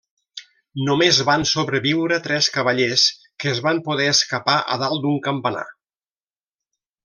Només van sobreviure tres cavallers que es van poder escapar a dalt d'un campanar.